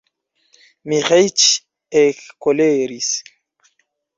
Miĥeiĉ ekkoleris.